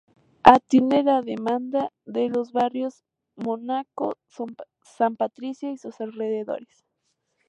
Atiende la demanda de los barrios Mónaco, San Patricio y sus alrededores.